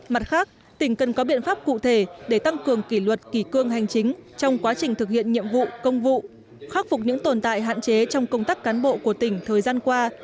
mặt khác tỉnh cần có biện pháp cụ thể để tăng cường kỷ luật kỷ cương hành chính trong quá trình thực hiện nhiệm vụ công vụ khắc phục những tồn tại hạn chế trong công tác cán bộ của tỉnh thời gian qua